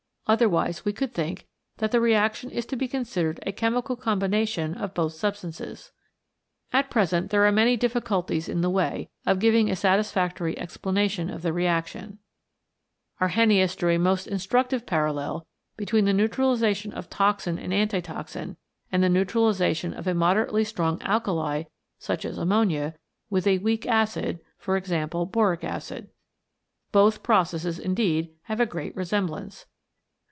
Otherwise we could think that the reaction is to be considered a chemical combination of both substances. At present there are many difficulties in the way of giving a satisfactory explanation of the reaction. Arrhenius drew a most instructive parallel between the neutralisation of toxin and antitoxin, and the neutralisation of a moderately strong alkali, such as ammonia, with a weak acid, e.g. boric acid. Both processes, indeed, have a great resemblance.